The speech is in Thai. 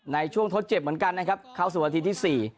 ในช่วงทดเจ็บเหมือนกันนะครับเข้าสู่นาทีที่๔